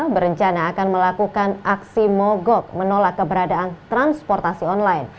berencana akan melakukan aksi mogok menolak keberadaan transportasi online